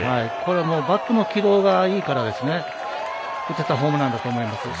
バットの軌道がいいから打てたホームランだと思います。